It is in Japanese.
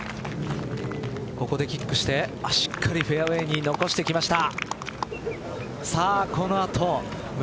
ここでキックしてしっかりフェアウエーに残してきました。